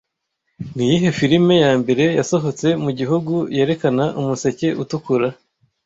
Niyihe filime ya mbere yasohotse mu gihugu yerekana Umuseke Utukura